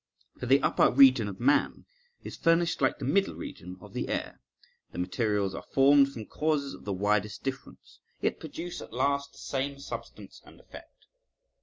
For the upper region of man is furnished like the middle region of the air, the materials are formed from causes of the widest difference, yet produce at last the same substance and effect.